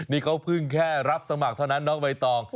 นี่เขาเพิ่งแค่รับสมัครเท่านั้นน้องใบตอง